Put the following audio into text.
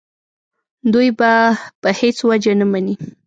دوی یې په هېڅ وجه نه مني.